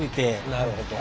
なるほど。